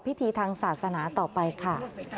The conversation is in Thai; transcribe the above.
พิธีทางศาสนาต่อไปค่ะ